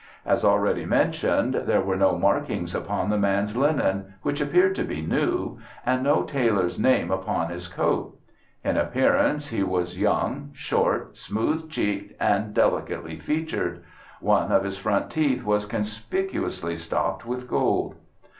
As already mentioned, there were no markings upon the man's linen, which appeared to be new, and no tailor's name upon his coat. In appearance he was young, short, smooth cheeked, and delicately featured. One of his front teeth was conspicuously stopped with gold.